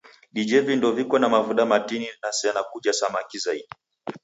Dije vindo viko na mavuda matini na sena kuja samaki zaidi.